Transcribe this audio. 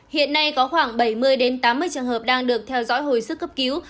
hiện nay có khoảng bảy mươi tám mươi trường hợp đang được theo dõi hồi sức cấp cứu